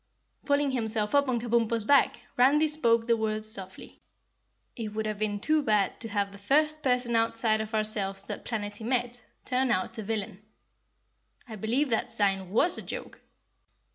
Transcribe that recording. Pulling himself up on Kabumpo's back, Randy spoke the words softly. "It would have been too bad to have the first person outside of ourselves that Planetty met turn out a villain. I believe that sign WAS a joke."